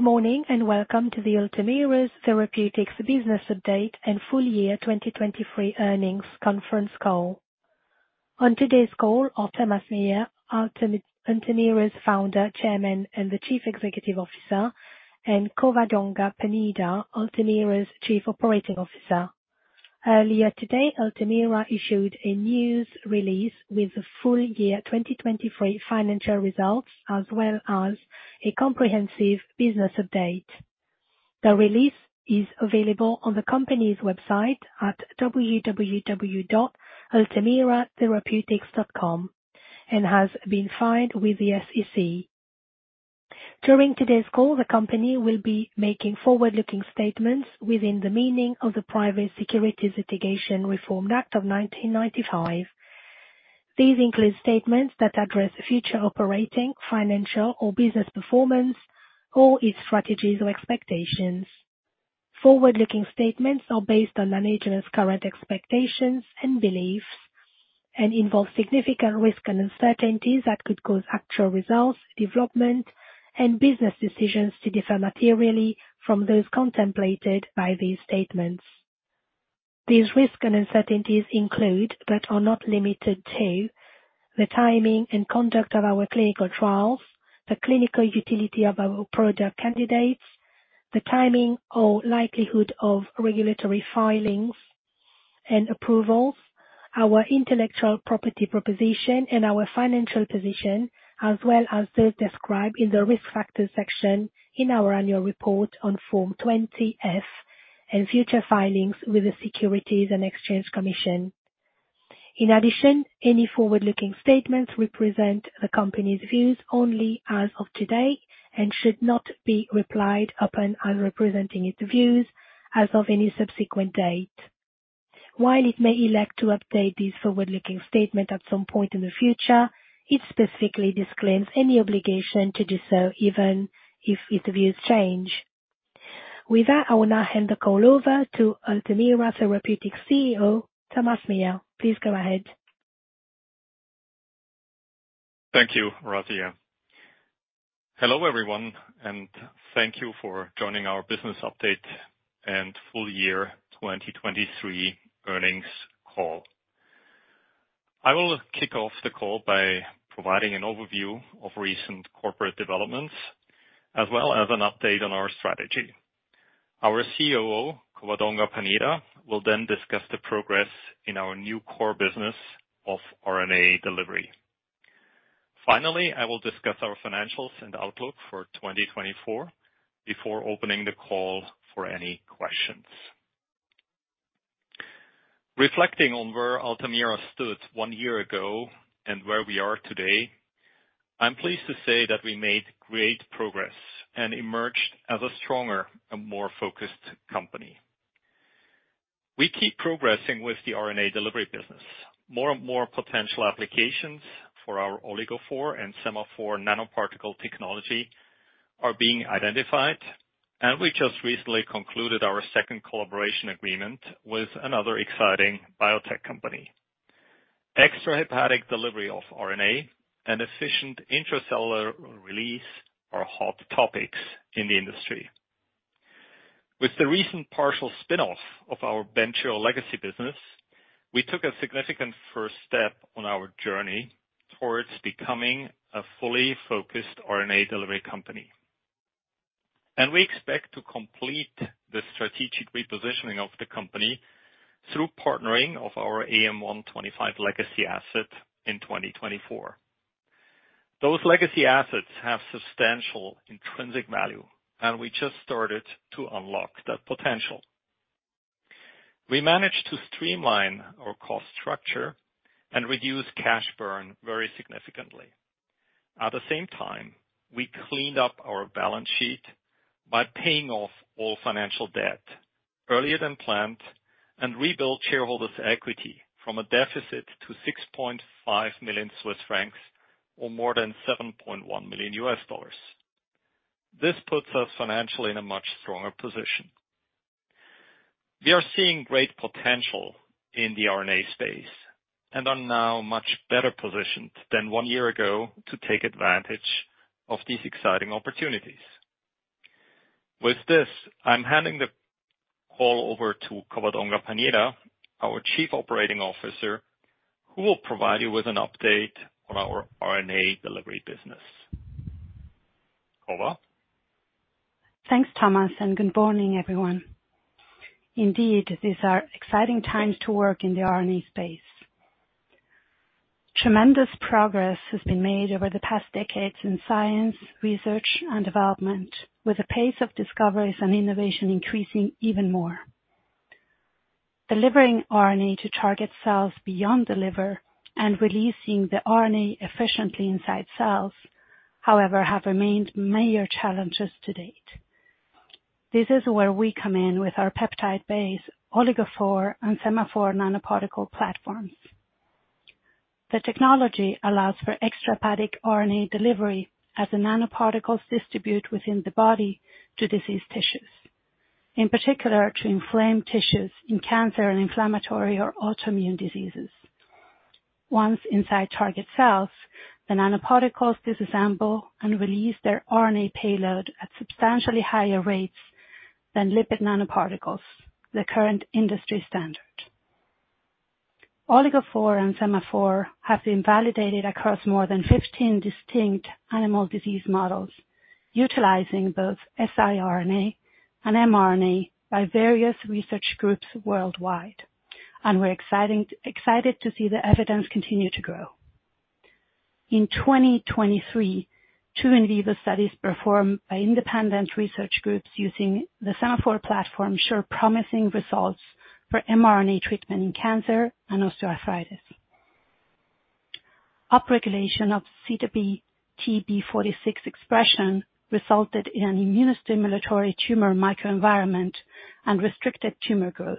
Good morning, and welcome to the Altamira Therapeutics business update and full year 2023 earnings conference call. On today's call are Thomas Meyer, Altamira's Founder, Chairman, and Chief Executive Officer, and Covadonga Pañeda, Altamira's Chief Operating Officer. Earlier today, Altamira issued a news release with the full year 2023 financial results, as well as a comprehensive business update. The release is available on the company's website at www.altamiratherapeutics.com and has been filed with the SEC. During today's call, the company will be making forward-looking statements within the meaning of the Private Securities Litigation Reform Act of 1995. These include statements that address future operating, financial, or business performance, or its strategies or expectations. Forward-looking statements are based on management's current expectations and beliefs, and involve significant risk and uncertainties that could cause actual results, development, and business decisions to differ materially from those contemplated by these statements. These risks and uncertainties include, but are not limited to, the timing and conduct of our clinical trials, the clinical utility of our product candidates, the timing or likelihood of regulatory filings and approvals, our intellectual property proposition, and our financial position, as well as those described in the Risk Factors section in our annual report on Form 20-F, and future filings with the Securities and Exchange Commission. In addition, any forward-looking statements represent the company's views only as of today and should not be relied upon as representing its views as of any subsequent date. While it may elect to update this forward-looking statement at some point in the future, it specifically disclaims any obligation to do so, even if its views change. With that, I will now hand the call over to Altamira Therapeutics CEO, Thomas Meyer. Please go ahead. Thank you, Razia. Hello, everyone, and thank you for joining our business update and full year 2023 earnings call. I will kick off the call by providing an overview of recent corporate developments, as well as an update on our strategy. Our COO, Covadonga Pañeda, will then discuss the progress in our new core business of RNA delivery. Finally, I will discuss our financials and outlook for 2024 before opening the call for any questions. Reflecting on where Altamira stood one year ago and where we are today, I'm pleased to say that we made great progress and emerged as a stronger and more focused company. We keep progressing with the RNA delivery business. More and more potential applications for our OligoPhore and SemaPhore nanoparticle technology are being identified, and we just recently concluded our second collaboration agreement with another exciting biotech company. Extrahepatic delivery of RNA and efficient intracellular release are hot topics in the industry. With the recent partial spin-off of our Bentrio legacy business, we took a significant first step on our journey towards becoming a fully focused RNA delivery company. We expect to complete the strategic repositioning of the company through partnering of our AM-125 legacy asset in 2024. Those legacy assets have substantial intrinsic value, and we just started to unlock that potential. We managed to streamline our cost structure and reduce cash burn very significantly. At the same time, we cleaned up our balance sheet by paying off all financial debt earlier than planned, and rebuilt shareholders' equity from a deficit to 6.5 million Swiss francs, or more than $7.1 million. This puts us financially in a much stronger position. We are seeing great potential in the RNA space and are now much better positioned than one year ago to take advantage of these exciting opportunities. With this, I'm handing the call over to Covadonga Pañeda, our Chief Operating Officer, who will provide you with an update on our RNA delivery business. Cova? Thanks, Thomas, and good morning, everyone. Indeed, these are exciting times to work in the RNA space. Tremendous progress has been made over the past decades in science, research, and development, with the pace of discoveries and innovation increasing even more. Delivering RNA to target cells beyond the liver and releasing the RNA efficiently inside cells, however, have remained major challenges to date. This is where we come in with our peptide-based OligoPhore and SemaPhore nanoparticle platforms. The technology allows for extrahepatic RNA delivery as the nanoparticles distribute within the body to diseased tissues, in particular, to inflamed tissues in cancer and inflammatory or autoimmune diseases... Once inside target cells, the nanoparticles disassemble and release their RNA payload at substantially higher rates than lipid nanoparticles, the current industry standard. OligoPhore and SemaPhore have been validated across more than 15 distinct animal disease models, utilizing both siRNA and mRNA by various research groups worldwide, and we're excited to see the evidence continue to grow. In 2023, two in vivo studies performed by independent research groups using the SemaPhore platform show promising results for mRNA treatment in cancer and osteoarthritis. Upregulation of ZBTB46 expression resulted in an immunostimulatory tumor microenvironment and restricted tumor growth.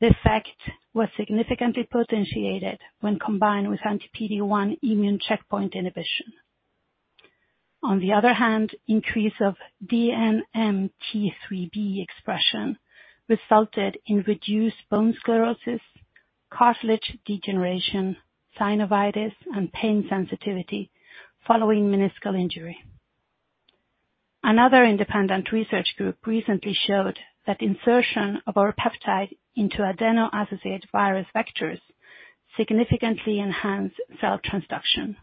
This effect was significantly potentiated when combined with anti-PD-1 immune checkpoint inhibition. On the other hand, increase of DNMT3B expression resulted in reduced bone sclerosis, cartilage degeneration, synovitis, and pain sensitivity following meniscal injury. Another independent research group recently showed that insertion of our peptide into adeno-associated virus vectors significantly enhance cell transduction.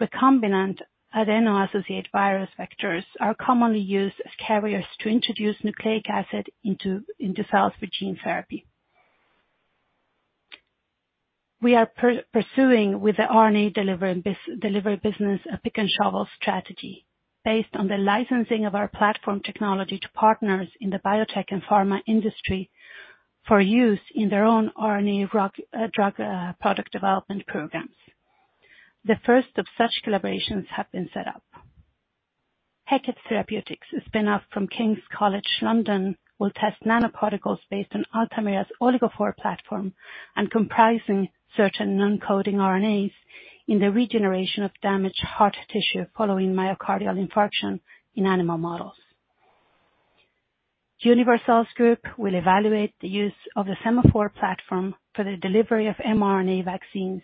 Recombinant adeno-associated virus vectors are commonly used as carriers to introduce nucleic acid into cells for gene therapy. We are pursuing with the RNA delivery business, a pick and shovel strategy based on the licensing of our platform technology to partners in the biotech and pharma industry for use in their own RNA drug product development programs. The first of such collaborations have been set up. Heqet Therapeutics, a spin-off from King's College London, will test nanoparticles based on Altamira's OligoPhore platform and comprising certain non-coding RNAs in the regeneration of damaged heart tissue following myocardial infarction in animal models. Univercells Group will evaluate the use of the SemaPhore platform for the delivery of mRNA vaccines,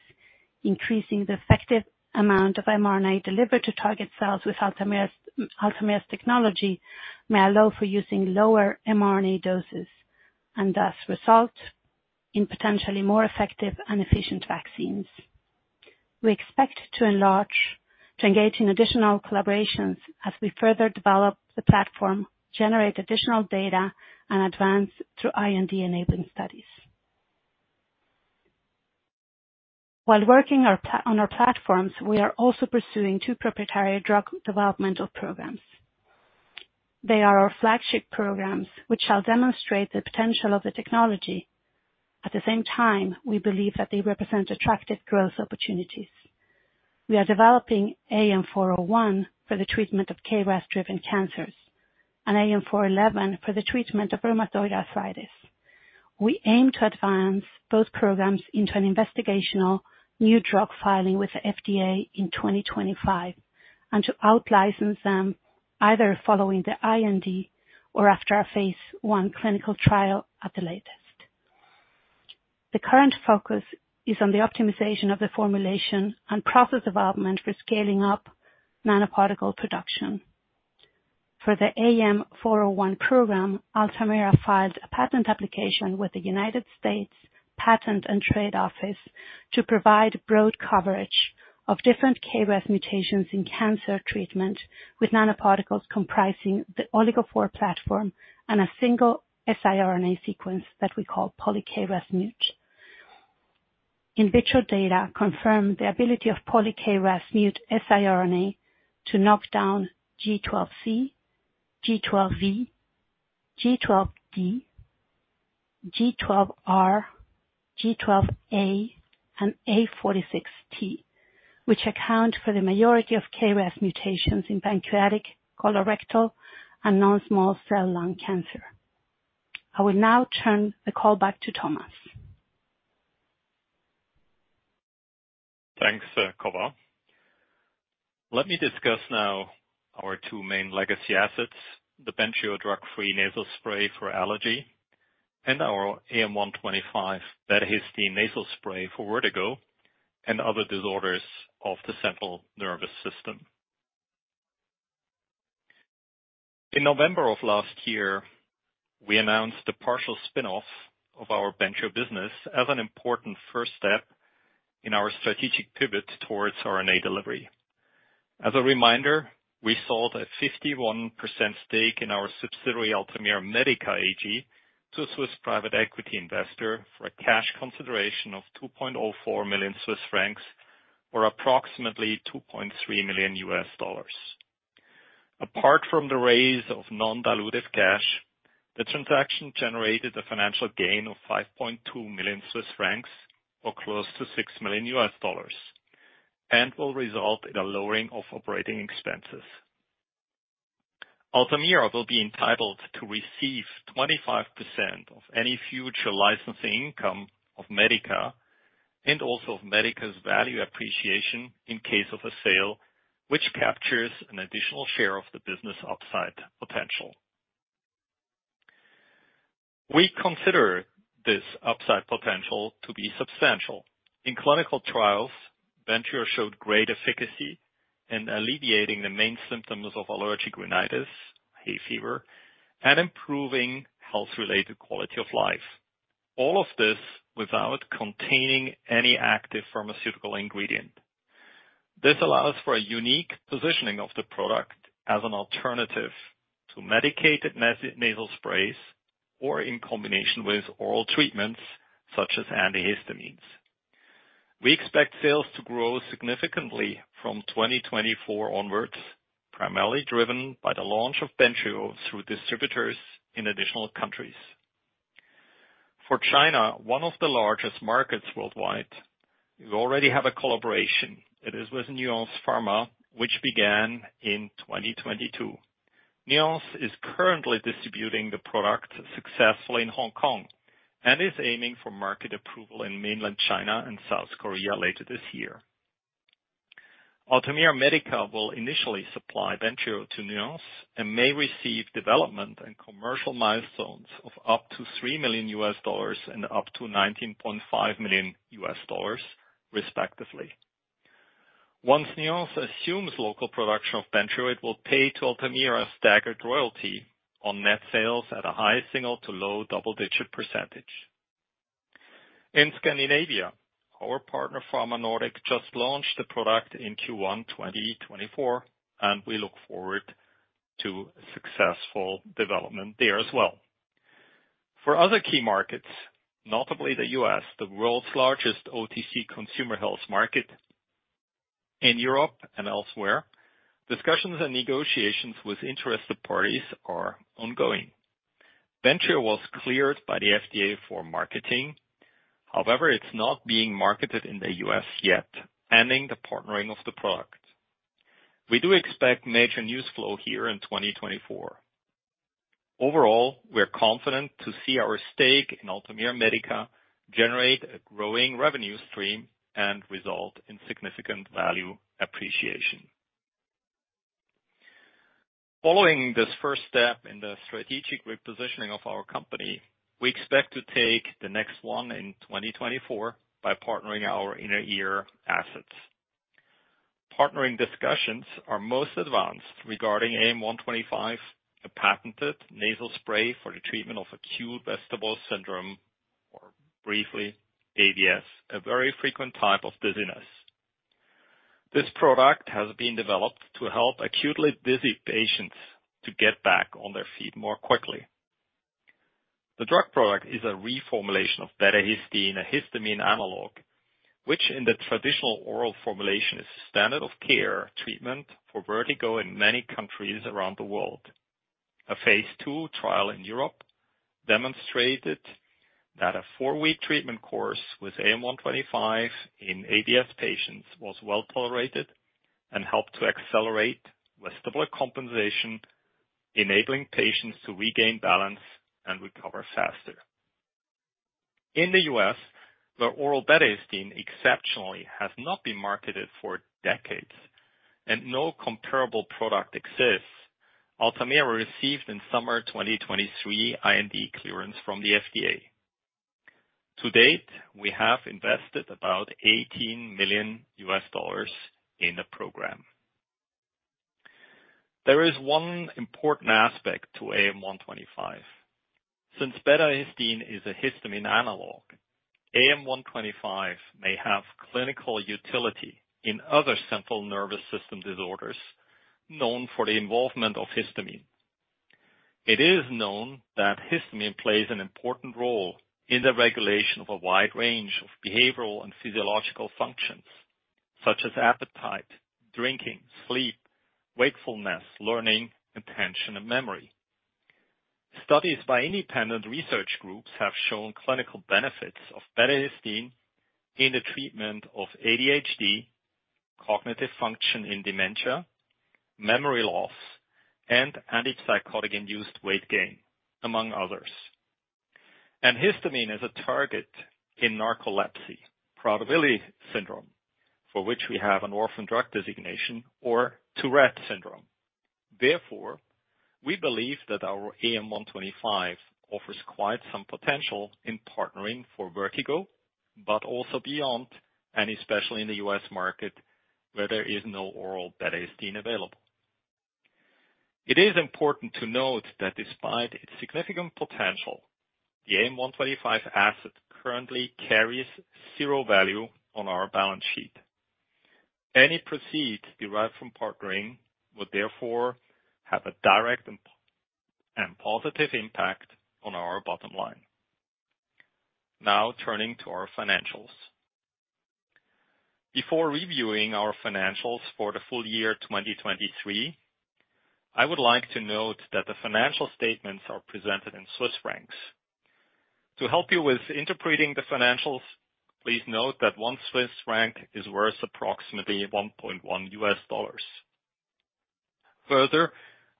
increasing the effective amount of mRNA delivered to target cells with Altamira's technology, may allow for using lower mRNA doses and thus result in potentially more effective and efficient vaccines. We expect to enlarge, to engage in additional collaborations as we further develop the platform, generate additional data, and advance through IND-enabling studies. While working on our platforms, we are also pursuing two proprietary drug developmental programs. They are our flagship programs, which shall demonstrate the potential of the technology. At the same time, we believe that they represent attractive growth opportunities. We are developing AM-401 for the treatment of KRAS-driven cancers and AM-411 for the treatment of rheumatoid arthritis. We aim to advance both programs into an investigational new drug filing with the FDA in 2025, and to out-license them either following the IND or after our phase I clinical trial at the latest. The current focus is on the optimization of the formulation and process development for scaling up nanoparticle production. For the AM-401 program, Altamira filed a patent application with the United States Patent and Trademark Office to provide broad coverage of different KRAS mutations in cancer treatment, with nanoparticles comprising the OligoPhore platform and a single siRNA sequence that we call polyKRASmut. In vitro data confirmed the ability of polyKRASmut siRNA to knock down G12C, G12V, G12D, G12R, G12A, and A46T, which account for the majority of KRAS mutations in pancreatic, colorectal, and non-small cell lung cancer. I will now turn the call back to Thomas. Thanks, Cova. Let me discuss now our two main legacy assets, the Bentrio drug-free nasal spray for allergy, and our AM-125 betahistine nasal spray for vertigo and other disorders of the central nervous system. In November of last year, we announced a partial spin-off of our Bentrio business as an important first step in our strategic pivot towards RNA delivery. As a reminder, we sold a 51% stake in our subsidiary, Altamira Medica AG, to a Swiss private equity investor for a cash consideration of 2.04 million Swiss francs, or approximately $2.3 million. Apart from the raise of non-dilutive cash, the transaction generated a financial gain of 5.2 million Swiss francs, or close to $6 million, and will result in a lowering of operating expenses. Altamira will be entitled to receive 25% of any future licensing income of Medica, and also of Medica's value appreciation in case of a sale, which captures an additional share of the business upside potential.... We consider this upside potential to be substantial. In clinical trials, Bentrio showed great efficacy in alleviating the main symptoms of allergic rhinitis, hay fever, and improving health-related quality of life. All of this without containing any active pharmaceutical ingredient. This allows for a unique positioning of the product as an alternative to medicated nasal sprays, or in combination with oral treatments such as antihistamines. We expect sales to grow significantly from 2024 onwards, primarily driven by the launch of Bentrio through distributors in additional countries. For China, one of the largest markets worldwide, we already have a collaboration. It is with Nuance Pharma, which began in 2022. Nuance is currently distributing the product successfully in Hong Kong and is aiming for market approval in mainland China and South Korea later this year. Altamira Medica will initially supply Bentrio to Nuance and may receive development and commercial milestones of up to $3 million and up to $19.5 million, respectively. Once Nuance assumes local production of Bentrio, it will pay to Altamira a staggered royalty on net sales at a high single- to low double-digit percentage. In Scandinavia, our partner, Pharma Nordic, just launched the product in Q1 2024, and we look forward to a successful development there as well. For other key markets, notably the U.S., the world's largest OTC consumer health market, in Europe and elsewhere, discussions and negotiations with interested parties are ongoing. Bentrio was cleared by the FDA for marketing. However, it's not being marketed in the U.S. yet, ending the partnering of the product. We do expect major news flow here in 2024. Overall, we're confident to see our stake in Altamira Medica generate a growing revenue stream and result in significant value appreciation. Following this first step in the strategic repositioning of our company, we expect to take the next one in 2024 by partnering our inner ear assets. Partnering discussions are most advanced regarding AM-125, a patented nasal spray for the treatment of acute vestibular syndrome, or briefly, AVS, a very frequent type of dizziness. This product has been developed to help acutely dizzy patients to get back on their feet more quickly. The drug product is a reformulation of betahistine, a histamine analog, which in the traditional oral formulation, is standard of care treatment for vertigo in many countries around the world. A phase II trial in Europe demonstrated that a four-week treatment course with AM-125 in AVS patients was well tolerated and helped to accelerate vestibular compensation, enabling patients to regain balance and recover faster. In the U.S., where oral betahistine exceptionally has not been marketed for decades and no comparable product exists, Altamira received in summer 2023, IND clearance from the FDA. To date, we have invested about $18 million in the program. There is one important aspect to AM-125. Since betahistine is a histamine analog, AM-125 may have clinical utility in other central nervous system disorders known for the involvement of histamine. It is known that histamine plays an important role in the regulation of a wide range of behavioral and physiological functions, such as appetite, drinking, sleep, wakefulness, learning, attention, and memory. Studies by independent research groups have shown clinical benefits of betahistine in the treatment of ADHD, cognitive function in dementia, memory loss, and antipsychotic-induced weight gain, among others. And histamine is a target in narcolepsy, Prader-Willi syndrome, for which we have an orphan drug designation, or Tourette syndrome. Therefore, we believe that our AM-125 offers quite some potential in partnering for vertigo, but also beyond, and especially in the U.S. market, where there is no oral betahistine available. It is important to note that despite its significant potential, the AM-125 asset currently carries zero value on our balance sheet. Any proceeds derived from partnering would therefore have a direct and positive impact on our bottom line. Now, turning to our financials. Before reviewing our financials for the full year 2023, I would like to note that the financial statements are presented in Swiss francs. To help you with interpreting the financials, please note that 1 Swiss franc is worth approximately $1.1. Further,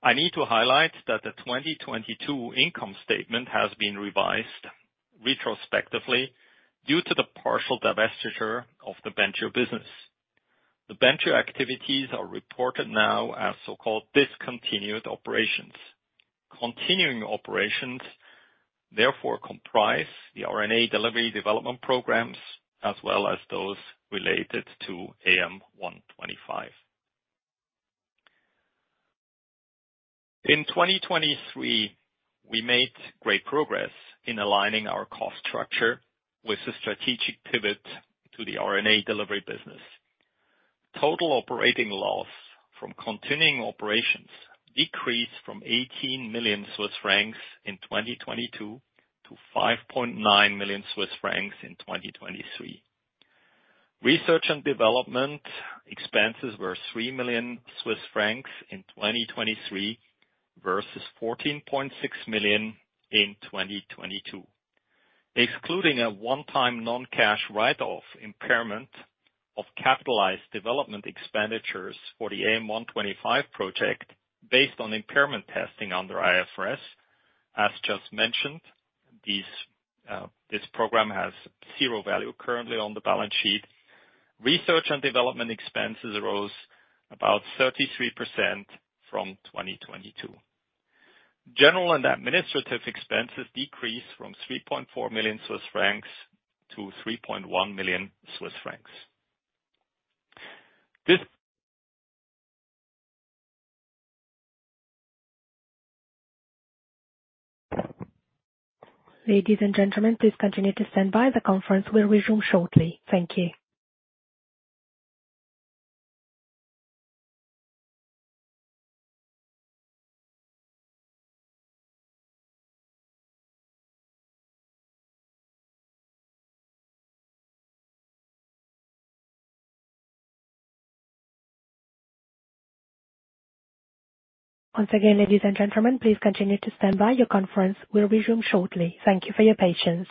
I need to highlight that the 2022 income statement has been revised retrospectively due to the partial divestiture of the Bentrio business. The Bentrio activities are reported now as so-called discontinued operations. Continuing operations, therefore, comprise the RNA delivery development programs, as well as those related to AM-125. In 2023, we made great progress in aligning our cost structure with the strategic pivot to the RNA delivery business. Total operating loss from continuing operations decreased from 18 million Swiss francs in 2022 to 5.9 million Swiss francs in 2023. Research and development expenses were 3 million Swiss francs in 2023 versus 14.6 million in 2022. Excluding a one-time non-cash write-off impairment of capitalized development expenditures for the AM-125 project based on impairment testing under IFRS, as just mentioned, these, this program has zero value currently on the balance sheet. Research and development expenses rose about 33% from 2022. General and administrative expenses decreased from CHF 3.4 million-CHF 3.1 million. This- Ladies and gentlemen, please continue to stand by. The conference will resume shortly. Thank you. Once again, ladies and gentlemen, please continue to stand by. Your conference will resume shortly. Thank you for your patience.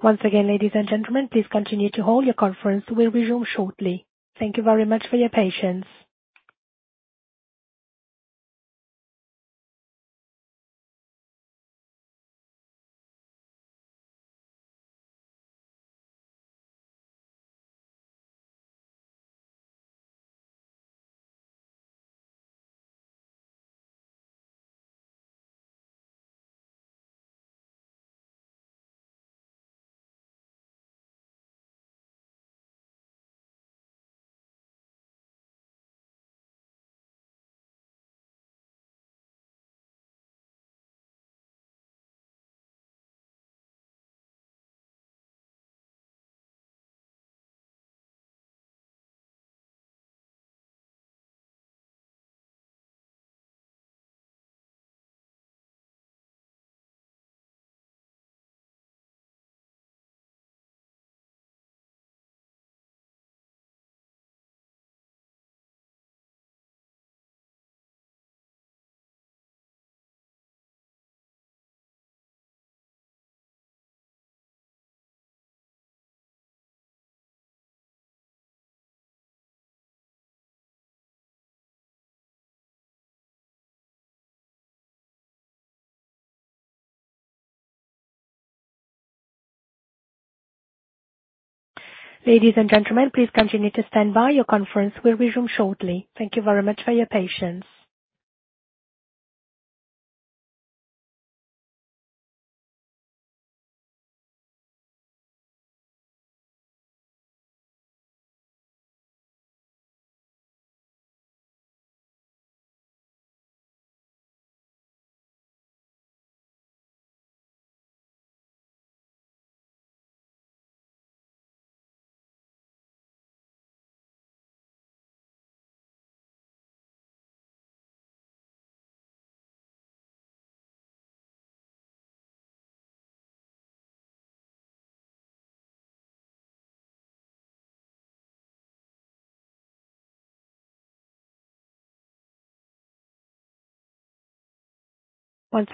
Once again, ladies and gentlemen, please continue to stand by. Your conference will resume shortly. Thank you very much for your patience. ... Hello,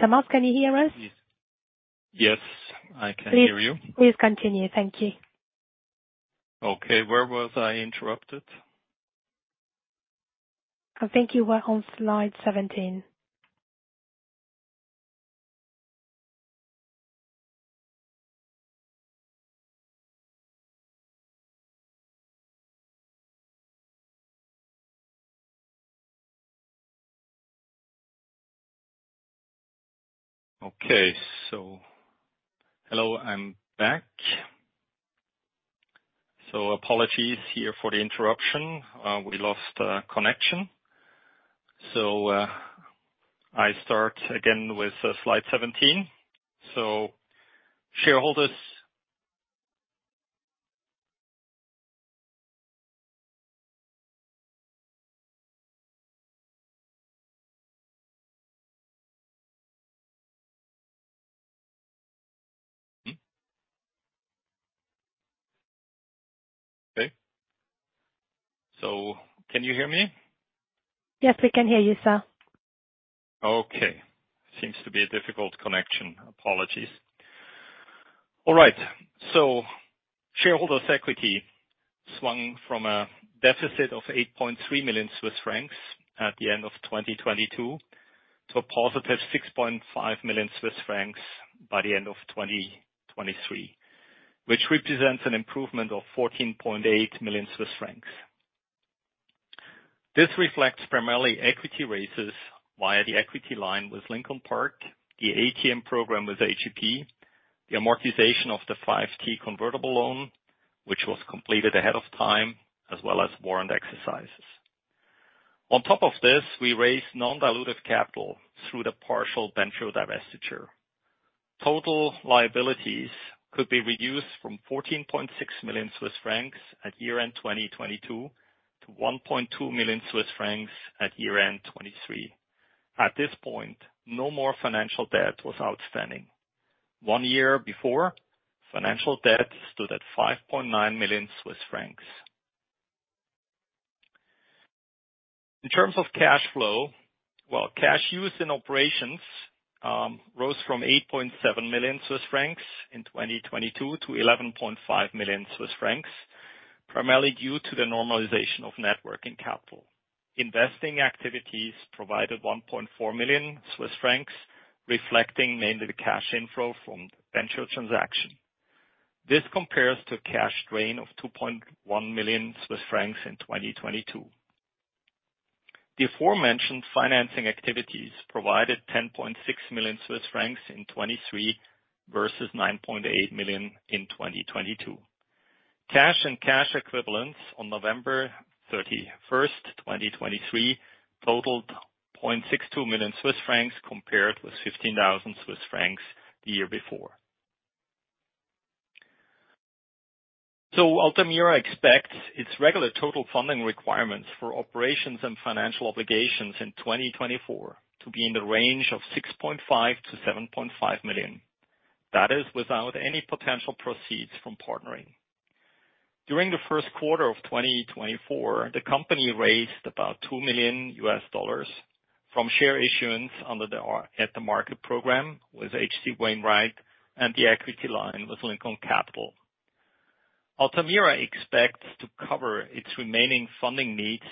Thomas, can you hear us? Yes, I can hear you. Please, please continue. Thank you. Okay. Where was I interrupted? I think you were on slide 17. Okay. So hello, I'm back. So apologies here for the interruption. We lost connection. I start again with slide 17. So shareholders? Okay. So can you hear me? Yes, we can hear you, sir. Okay. Seems to be a difficult connection. Apologies. All right, so shareholders' equity swung from a deficit of 8.3 million Swiss francs at the end of 2022, to a +6.5 million Swiss francs by the end of 2023, which represents an improvement of 14.8 million Swiss francs. This reflects primarily equity raises via the equity line with Lincoln Park, the ATM program with H.C. Wainwright, the amortization of the five-year convertible loan, which was completed ahead of time, as well as warrant exercises. On top of this, we raised non-dilutive capital through the partial venture divestiture. Total liabilities could be reduced from 14.6 million Swiss francs at year-end 2022, to 1.2 million Swiss francs at year-end 2023. At this point, no more financial debt was outstanding. One year before, financial debt stood at 5.9 million Swiss francs. In terms of cash flow, while cash used in operations rose from 8.7 million Swiss francs in 2022 to 11.5 million Swiss francs, primarily due to the normalization of net working capital. Investing activities provided 1.4 million Swiss francs, reflecting mainly the cash inflow from the venture transaction. This compares to a cash drain of 2.1 million Swiss francs in 2022. The aforementioned financing activities provided 10.6 million Swiss francs in 2023 versus 9.8 million in 2022. Cash and cash equivalents on November 31st, 2023, totaled 0.62 million Swiss francs, compared with 15,000 Swiss francs the year before. Altamira expects its regular total funding requirements for operations and financial obligations in 2024 to be in the range of $6.5 million-$7.5 million. That is without any potential proceeds from partnering. During the first quarter of 2024, the company raised about $2 million from share issuance under the at-the-market program with H.C. Wainwright and the equity line with Lincoln Park Capital. Altamira expects to cover its remaining funding needs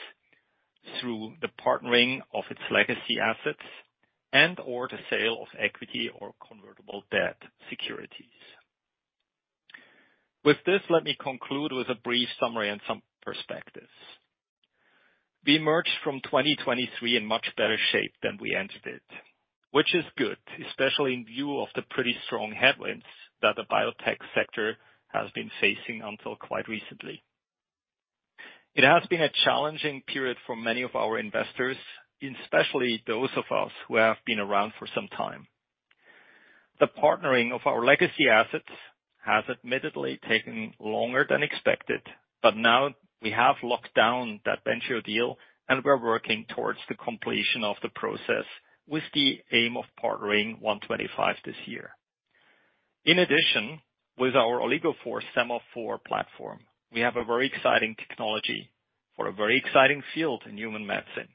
through the partnering of its legacy assets and/or the sale of equity or convertible debt securities. With this, let me conclude with a brief summary and some perspectives. We emerged from 2023 in much better shape than we entered it, which is good, especially in view of the pretty strong headwinds that the biotech sector has been facing until quite recently. It has been a challenging period for many of our investors, especially those of us who have been around for some time. The partnering of our legacy assets has admittedly taken longer than expected, but now we have locked down that venture deal, and we're working towards the completion of the process with the aim of partnering AM-125 this year. In addition, with our OligoPhore SemaPhore platforms, we have a very exciting technology for a very exciting field in human medicine.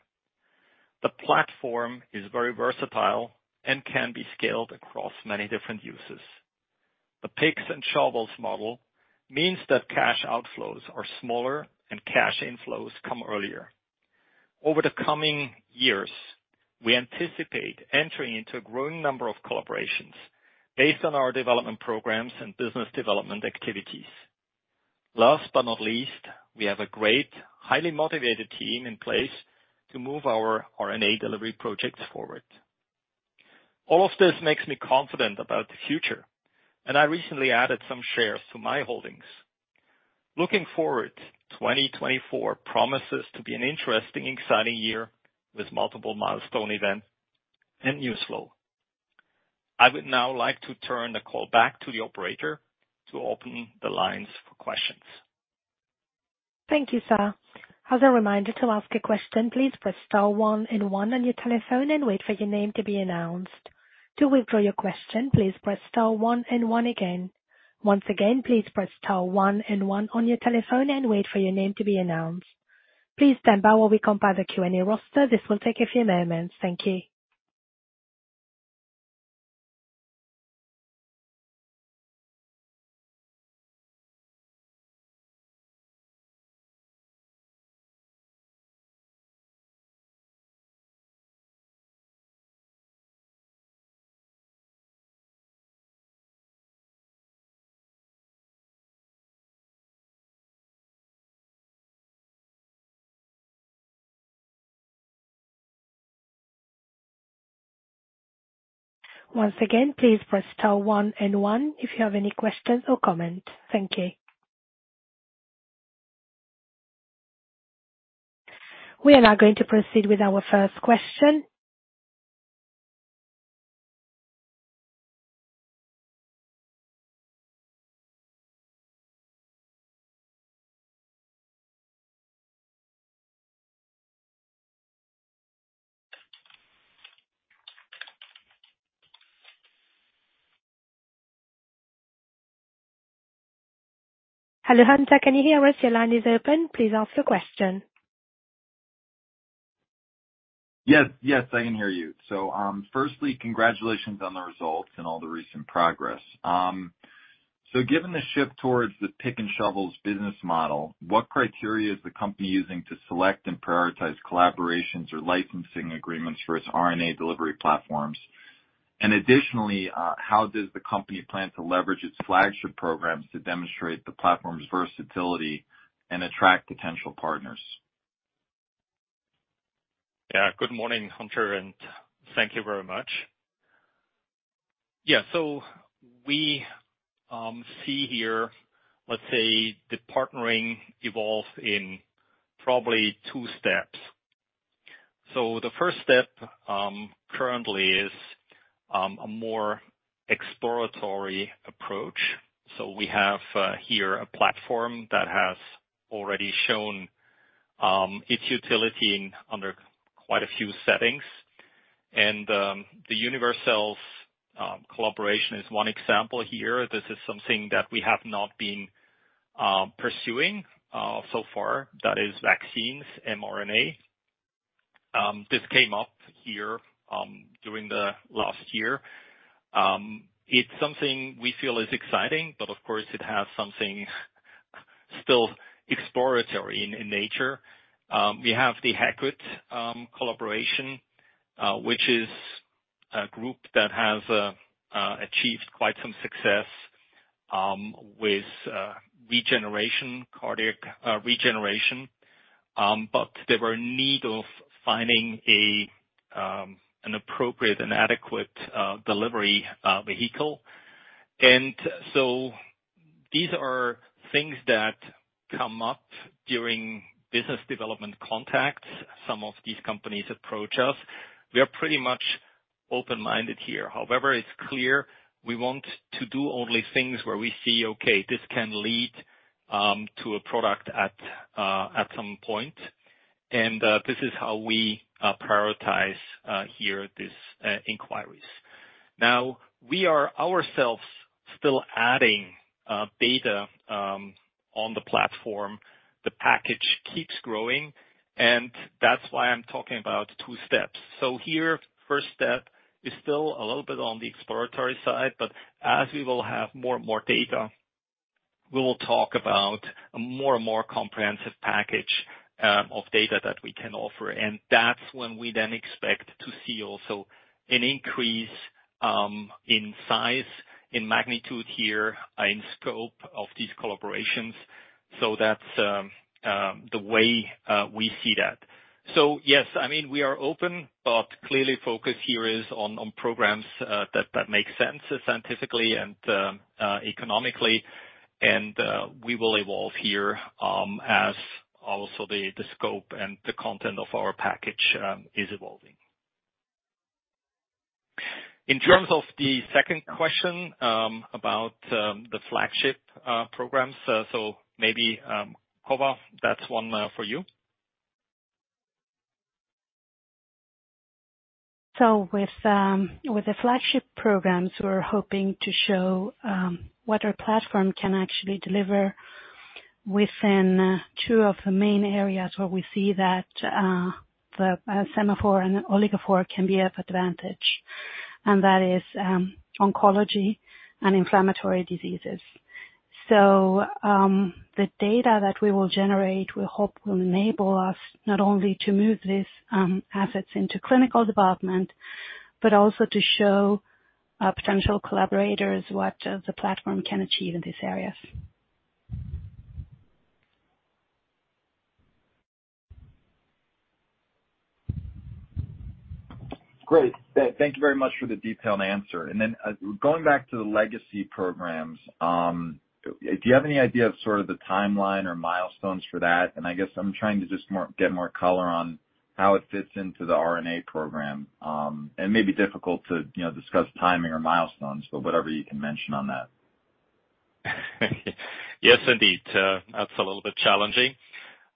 The platform is very versatile and can be scaled across many different uses. The picks and shovels model means that cash outflows are smaller and cash inflows come earlier. Over the coming years, we anticipate entering into a growing number of collaborations based on our development programs and business development activities. Last but not least, we have a great, highly motivated team in place to move our RNA delivery projects forward. All of this makes me confident about the future, and I recently added some shares to my holdings. Looking forward, 2024 promises to be an interesting, exciting year with multiple milestone events and news flow. I would now like to turn the call back to the operator to open the lines for questions. Thank you, sir. As a reminder to ask a question, please press star one and one on your telephone and wait for your name to be announced.... To withdraw your question, please press star one and one again. Once again, please press star one and one on your telephone and wait for your name to be announced. Please stand by while we compile the Q&A roster. This will take a few moments. Thank you. Once again, please press star one and one if you have any questions or comments. Thank you. We are now going to proceed with our first question. Hello, Hunter, can you hear us? Your line is open. Please ask your question. Yes. Yes, I can hear you. So, firstly, congratulations on the results and all the recent progress. So given the shift towards the pick and shovels business model, what criteria is the company using to select and prioritize collaborations or licensing agreements for its RNA delivery platforms? And additionally, how does the company plan to leverage its flagship programs to demonstrate the platform's versatility and attract potential partners? Yeah, good morning, Hunter, and thank you very much. Yeah, so we see here, let's say the partnering evolve in probably two steps. So the first step currently is a more exploratory approach. So we have here a platform that has already shown its utility in under quite a few settings. And the Univercells collaboration is one example here. This is something that we have not been pursuing so far, that is vaccines, mRNA. This came up here during the last year. It's something we feel is exciting, but of course, it has something still exploratory in nature. We have the Heqet collaboration, which is a group that has achieved quite some success with regeneration, cardiac, regeneration. But they were in need of finding a, an appropriate and adequate, delivery, vehicle. And so these are things that come up during business development contacts. Some of these companies approach us. We are pretty much open-minded here. However, it's clear we want to do only things where we see, okay, this can lead, to a product at, at some point. And, this is how we, prioritize, here, these, inquiries. Now, we are ourselves still adding, data, on the platform. The package keeps growing, and that's why I'm talking about two steps. So here, first step is still a little bit on the exploratory side, but as we will have more and more data, we will talk about a more and more comprehensive package, of data that we can offer. And that's when we then expect to see also an increase in size, in magnitude here, in scope of these collaborations. So that's the way we see that. So yes, I mean, we are open, but clearly focus here is on programs that make sense scientifically and economically. And we will evolve here as also the scope and the content of our package is evolving. In terms of the second question about the flagship programs, so maybe Cova, that's one for you. So with, with the flagship programs, we're hoping to show what our platform can actually deliver within two of the main areas where we see that the SemaPhore and OligoPhore can be of advantage, and that is oncology and inflammatory diseases. So, the data that we will generate, we hope will enable us not only to move these assets into clinical development, but also to show our potential collaborators what the platform can achieve in these areas. Great. Thank you very much for the detailed answer. And then, going back to the legacy programs, do you have any idea of sort of the timeline or milestones for that? And I guess I'm trying to just get more color on how it fits into the RNA program. It may be difficult to, you know, discuss timing or milestones, but whatever you can mention on that.... Yes, indeed, that's a little bit challenging.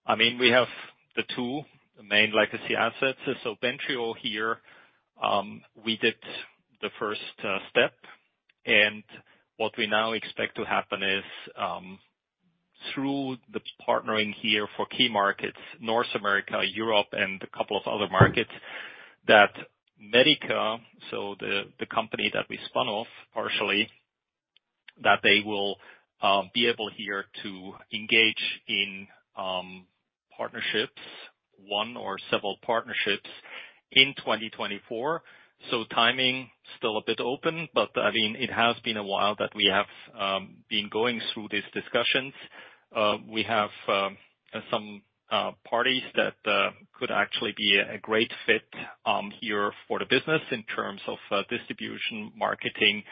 I mean, we have the two main legacy assets, and so Bentrio here, we did the first step, and what we now expect to happen is, through the partnering here for key markets, North America, Europe, and a couple of other markets, that Medica, so the company that we spun off partially, that they will be able here to engage in partnerships, one or several partnerships in 2024. So timing, still a bit open, but, I mean, it has been a while that we have been going through these discussions. We have some parties that could actually be a great fit here for the business in terms of distribution, marketing,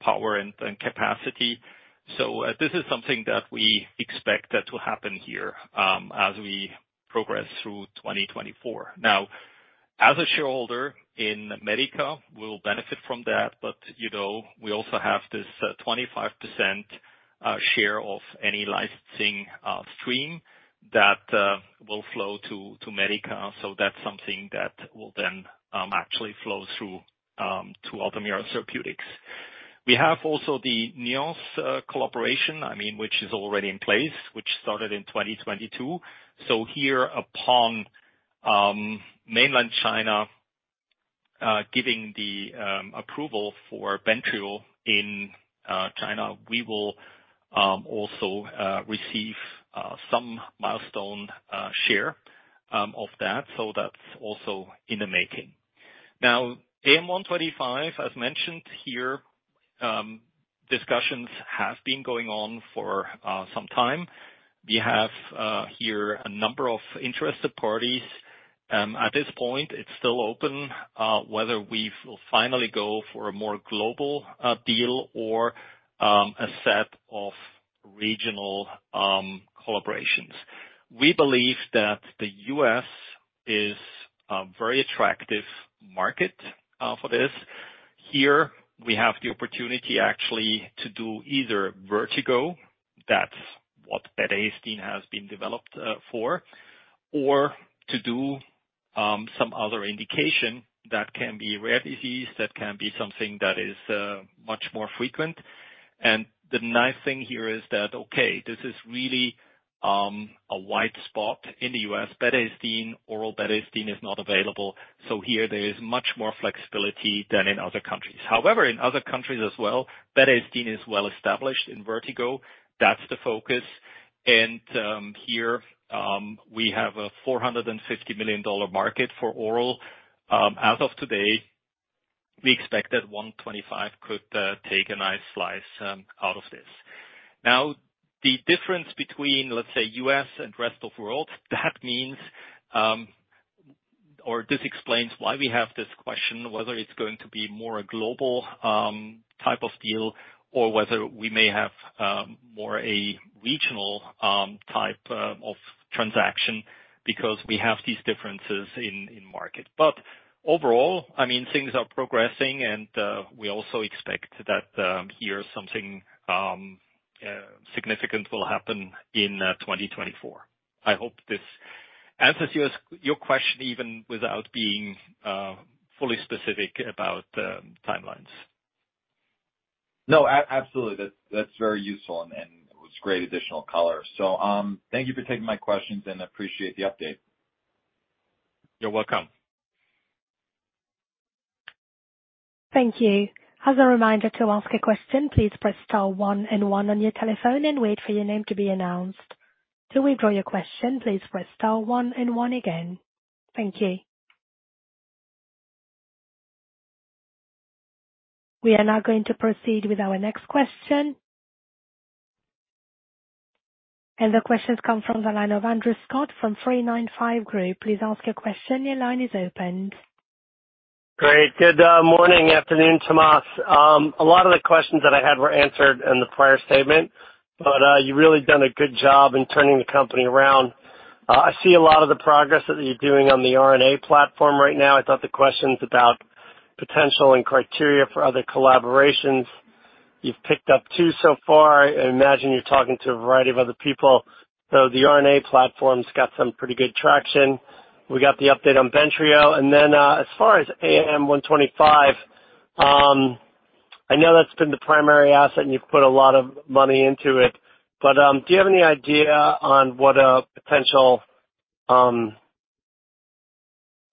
power, and capacity. So, this is something that we expect that to happen here, as we progress through 2024. Now, as a shareholder in Medica, we'll benefit from that, but, you know, we also have this, 25% share of any licensing stream that will flow to Medica. So that's something that will then actually flow through to Altamira Therapeutics. We have also the Nuance collaboration, I mean, which is already in place, which started in 2022. So, upon mainland China giving the approval for Bentrio in China, we will also receive some milestone share of that. So that's also in the making. Now, AM-125, as mentioned here, discussions have been going on for some time. We have here a number of interested parties. At this point, it's still open whether we will finally go for a more global deal or a set of regional collaborations. We believe that the U.S. is a very attractive market for this. Here, we have the opportunity actually to do either vertigo, that's what betahistine has been developed for, or to do some other indication that can be a rare disease, that can be something that is much more frequent. And the nice thing here is that, okay, this is really a wide spot in the U.S. betahistine, oral betahistine is not available, so here there is much more flexibility than in other countries. However, in other countries as well, betahistine is well-established in vertigo. That's the focus, and here, we have a $450 million market for oral. As of today, we expect that 125 could take a nice slice out of this. Now, the difference between, let's say, U.S. and rest of world, that means, or this explains why we have this question, whether it's going to be more a global type of deal, or whether we may have more a regional type of transaction, because we have these differences in market. But overall, I mean, things are progressing, and we also expect that here, something significant will happen in 2024. I hope this answers your question, even without being fully specific about timelines. No, absolutely. That's, that's very useful and, and it was great additional color. So, thank you for taking my questions, and I appreciate the update. You're welcome. Thank you. As a reminder, to ask a question, please press star one and one on your telephone and wait for your name to be announced. To withdraw your question, please press star one and one again. Thank you. We are now going to proceed with our next question. And the question comes from the line of Andrew Scott from 395 Group. Please ask your question. Your line is open. Great. Good morning, afternoon, Thomas. A lot of the questions that I had were answered in the prior statement, but you've really done a good job in turning the company around. I see a lot of the progress that you're doing on the RNA platform right now. I thought the questions about potential and criteria for other collaborations, you've picked up two so far. I imagine you're talking to a variety of other people. So the RNA platform's got some pretty good traction. We got the update on Bentrio, and then, as far as AM-125, I know that's been the primary asset and you've put a lot of money into it, but do you have any idea on what a potential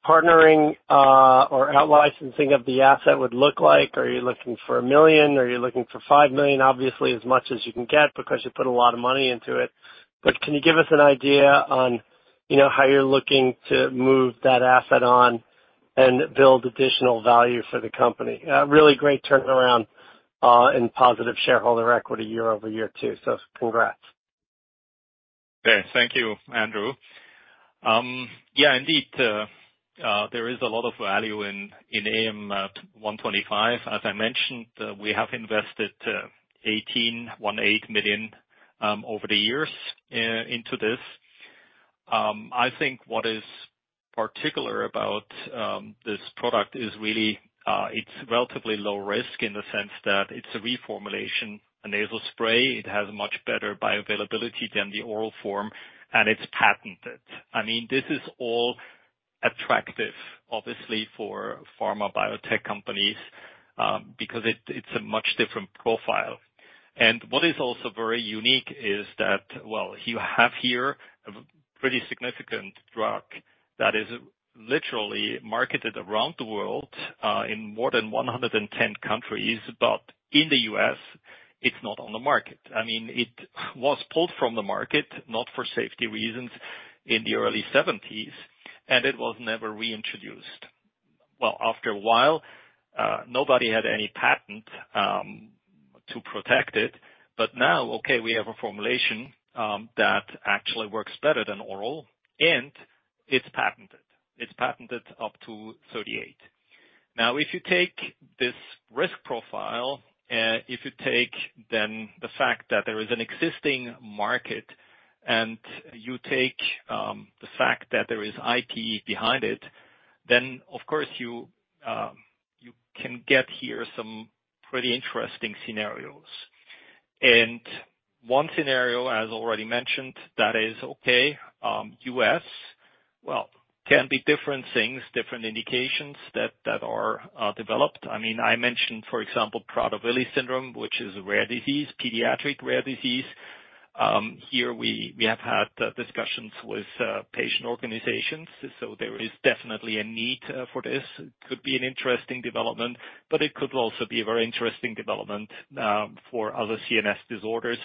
partnering or out-licensing of the asset would look like? Are you looking for $1 million? Are you looking for $5 million? Obviously, as much as you can get, because you put a lot of money into it. But can you give us an idea on, you know, how you're looking to move that asset on and build additional value for the company? Really great turnaround, and positive shareholder equity year-over-year too. So congrats. Okay. Thank you, Andrew. Yeah, indeed, there is a lot of value in AM-125. As I mentioned, we have invested $18.18 million over the years into this. I think what is particular about this product is really it's relatively low risk in the sense that it's a reformulation, a nasal spray. It has much better bioavailability than the oral form, and it's patented. I mean, this is all attractive, obviously, for pharma biotech companies because it's a much different profile. And what is also very unique is that, well, you have here a pretty significant drug that is literally marketed around the world in more than 110 countries, but in the U.S., it's not on the market. I mean, it was pulled from the market, not for safety reasons, in the early 1970s, and it was never reintroduced. Well, after a while, nobody had any patent to protect it, but now, okay, we have a formulation that actually works better than oral, and it's patented. It's patented up to 2038. Now, if you take this risk profile, if you take then the fact that there is an existing market, and you take the fact that there is IP behind it, then, of course, you, you can get here some pretty interesting scenarios. And one scenario, as already mentioned, that is okay, U.S., well, can be different things, different indications that, that are developed. I mean, I mentioned, for example, Prader-Willi syndrome, which is a rare disease, pediatric rare disease. Here we have had discussions with patient organizations, so there is definitely a need for this. Could be an interesting development, but it could also be a very interesting development for other CNS disorders.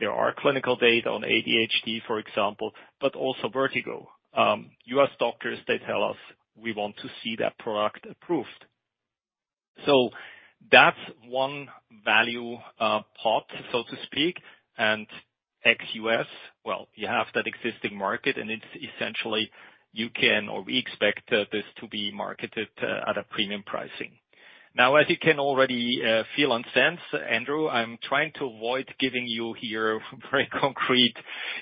There are clinical data on ADHD, for example, but also vertigo. U.S. doctors, they tell us, "We want to see that product approved." So that's one value pot, so to speak, and ex-U.S., well, you have that existing market, and it's essentially you can or we expect this to be marketed at a premium pricing. Now, as you can already feel and sense, Andrew, I'm trying to avoid giving you here very concrete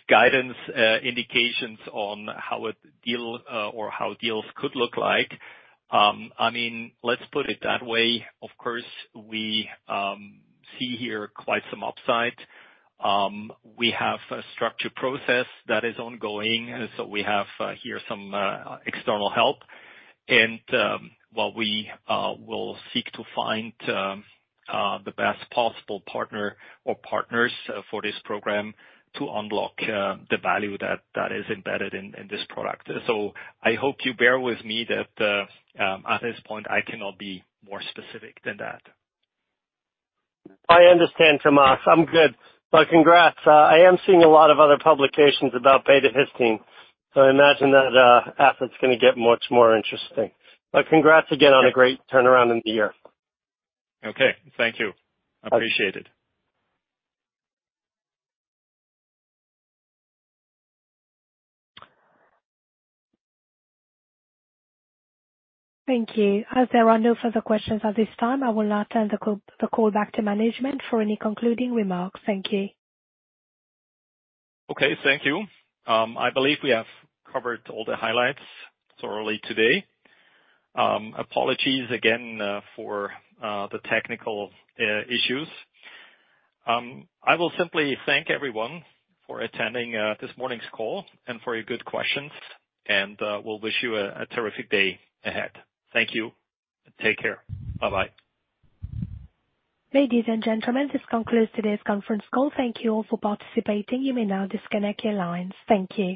guidance indications on how a deal or how deals could look like. I mean, let's put it that way. Of course, we see here quite some upside. We have a structure process that is ongoing, so we have here some external help. While we will seek to find the best possible partner or partners for this program to unlock the value that is embedded in this product. I hope you bear with me that at this point, I cannot be more specific than that. I understand, Thomas. I'm good. But congrats. I am seeing a lot of other publications about betahistine, so I imagine that asset's gonna get much more interesting. But congrats again on a great turnaround in the year. Okay. Thank you. Appreciate it. Thank you. As there are no further questions at this time, I will now turn the call back to management for any concluding remarks. Thank you. Okay. Thank you. I believe we have covered all the highlights thoroughly today. Apologies again for the technical issues. I will simply thank everyone for attending this morning's call, and for your good questions, and we'll wish you a terrific day ahead. Thank you. Take care. Bye-bye. Ladies and gentlemen, this concludes today's conference call. Thank you all for participating. You may now disconnect your lines. Thank you.